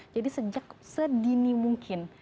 jadi sejak sedini mungkin